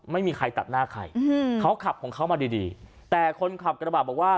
ไม่มีใครตัดหน้าใครอืมเขาขับของเขามาดีดีแต่คนขับกระบะบอกว่า